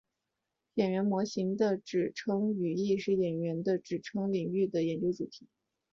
演员模型的指称语义是演员的指称域理论的研究主题。